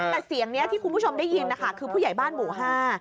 แต่เสียงนี้ที่คุณผู้ชมได้ยินนะคะคือผู้ใหญ่บ้านหมู่ห้า